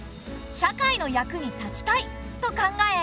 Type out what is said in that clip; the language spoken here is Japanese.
社会の役に立ちたい」と考え